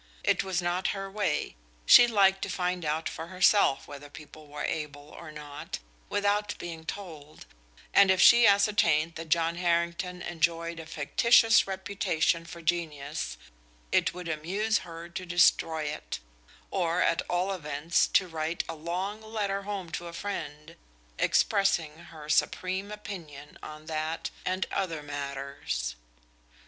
It was not her way; she liked to find out for herself whether people were able or not, without being told, and if she ascertained that John Harrington enjoyed a fictitious reputation for genius it would amuse her to destroy it or at all events to write a long letter home to a friend, expressing her supreme opinion on that and other matters.